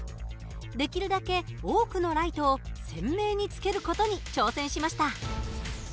できるだけ多くのライトを鮮明につける事に挑戦しました。